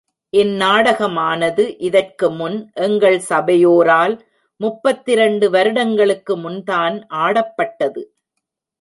இந்நாடகமானது இதற்கு முன் எங்கள் சபையோரால் முப்பத்திரண்டு வருடங்களுக்கு முன்தான் ஆடப்பட்டது.